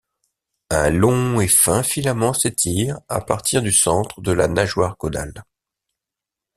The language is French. Un long et fin filament s'étire à partir du centre de la nageoire caudale.